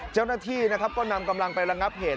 เจ้าหน้าที่นะครับก็นำกำลังไประงับเหตุ